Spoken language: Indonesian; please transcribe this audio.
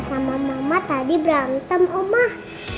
sama mama tadi berantem omah